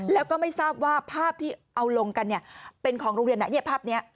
แล้วก็ไม่ทราบว่าภาพที่เอาลงกันเป็นของโรงเรียนภาพนี้